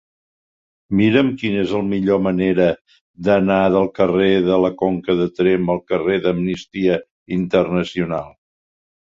Mira'm quina és la millor manera d'anar del carrer de la Conca de Tremp al carrer d'Amnistia Internacional.